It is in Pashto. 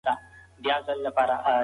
پښتون د ادب او جرګو په مټ ستونزې حلوي.